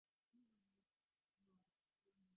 ޖަލާން ހައިރާންވި